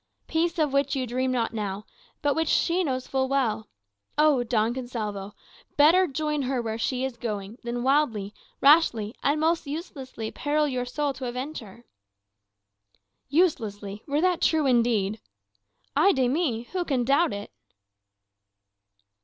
Peace of which you dream not now, but which she knows full well. O Don Gonsalvo, better join her where she is going, than wildly, rashly, and most uselessly peril your soul to avenge her!" "Uselessly! Were that true indeed " "Ay de mi! who can doubt it?"